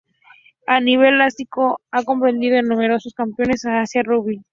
A nivel asiático ha competido en numerosos campeonatos de Asia Rugby.